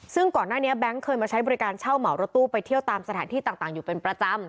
ซึ่งก่อนหน้านี้แบงค์เคยมาใช้บริการเช่าเหมารถตู้ไปเที่ยวตามสถานที่ต่างอยู่เป็นประจำ